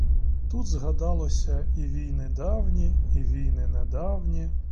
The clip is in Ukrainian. Тут згадалося і війни давні і війни недавні.